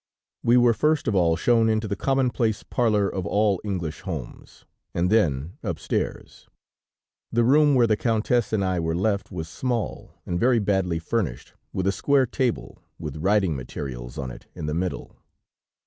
"We were first of all shown into the commonplace parlor of all English homes, and then upstairs. The room where the Countess and I were left, was small, and very badly furnished, with a square table with writing materials on it, in the middle.